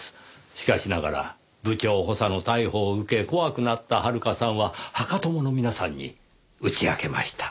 しかしながら部長補佐の逮捕を受け怖くなったはるかさんは墓友の皆さんに打ち明けました。